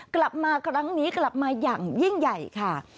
กลับมาครั้งนี้กลับมาอย่างยิ่งใหญ่ค่ะ